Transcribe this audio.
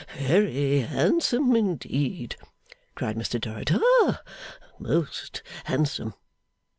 Very handsome, indeed!' cried Mr Dorrit. 'Ha. Most handsome!